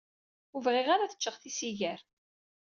Ur bɣiɣ ara ad ččeɣ tisigar.